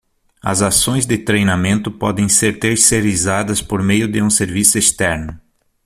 As ações de treinamento podem ser terceirizadas por meio de um serviço externo.